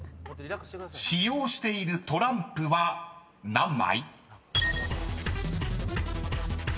［使用しているトランプは何枚？］